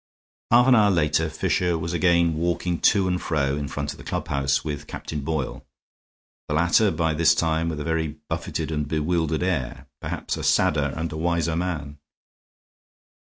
Half an hour later Fisher was again walking to and fro in front of the clubhouse, with Captain Boyle, the latter by this time with a very buffeted and bewildered air; perhaps a sadder and a wiser man.